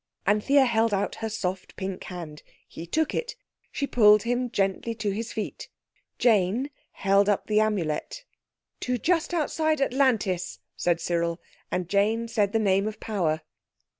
Anthea held out her soft, pink hand. He took it. She pulled him gently to his feet. Jane held up the Amulet. "To just outside Atlantis," said Cyril, and Jane said the Name of Power.